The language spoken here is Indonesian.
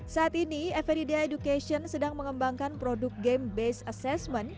saat ini everyda education sedang mengembangkan produk game based assessment